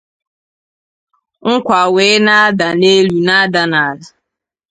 nkwa wee na-ada n’elu na-ada n’ala